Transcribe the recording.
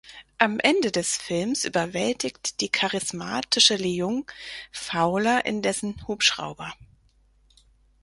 Am Ende des Films überwältigt die charismatische Leung Fowler in dessen Hubschrauber.